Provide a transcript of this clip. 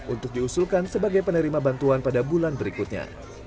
untuk diusulkan sebagai penerima bantuan pada bulan berikutnya